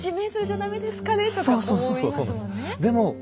「１ｍじゃ駄目ですかね？」とか思いますもんね。